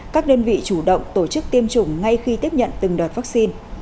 các đơn vị chủ động tổ chức tiêm chủng ngay khi tiếp nhận từng đợt vaccine